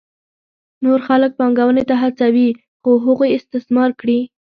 نور خلک پانګونې ته هڅوي څو هغوی استثمار کړي